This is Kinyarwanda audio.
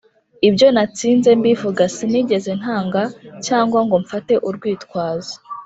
“ibyo natsinze mbivuga: sinigeze ntanga cyangwa ngo mfate urwitwazo.”